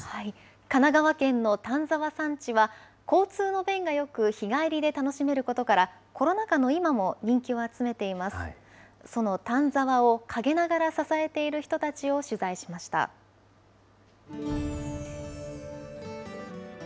神奈川県の丹沢山地は、交通の便がよく、日帰りで楽しめることから、コロナ禍の今も人気を集めています。